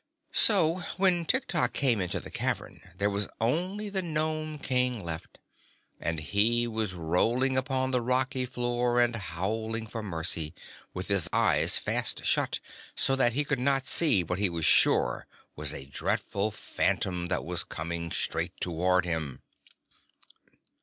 So, when Tiktok came into the cavern, there was only the Nome King left, and he was rolling upon the rocky floor and howling for mercy, with his eyes fast shut so that he could not see what he was sure was a dreadful phantom that was coming straight toward him.